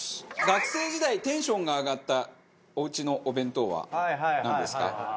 学生時代テンションが上がったおうちのお弁当はなんですか？